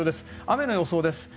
雨の予想です。